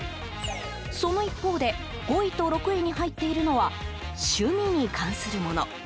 その一方で５位と６位に入っているのは趣味に関するもの。